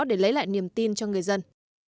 để lấy lại niềm tin cho người dân